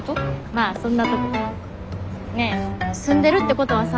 まあそんなとこ。ねえ住んでるってことはさ